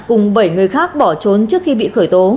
cùng bảy người khác bỏ trốn trước khi bị khởi tố